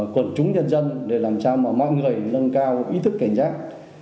quần chúng nhân dân để làm sao mà mọi người nâng cao ý thức cảnh giác